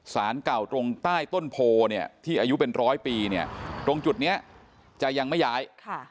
สารเก่าตรงใต้ต้นโพที่อายุเป็น๑๐๐ปีตรงจุดนี้จะยังไม่ย้าย